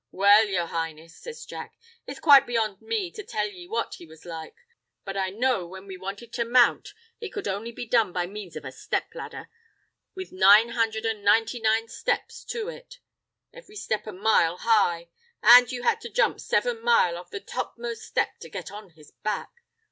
"Well, yer Highness," says Jack, "it's quite beyond me to tell ye what he was like. But I know when we wanted to mount it could only be done by means of a step laddher, with nine hundred and ninety steps to it, every step a mile high, an' you had to jump seven mile off the topmost step to get on his back.